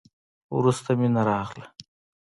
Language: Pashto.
وروسته مينه راغله.